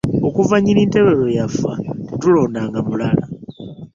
Okuva nnyini ntebe lwe yafa tetulondanga mulala.